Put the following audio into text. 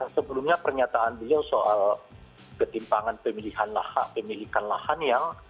sebelumnya pernyataan beliau soal ketimpangan pemilikan lahan yang